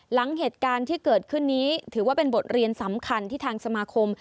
หลังเหตุการณ์ที่เกิดขึ้นนี้ถือว่าเป็นบทเรียนสำคัญที่ทางสมาคม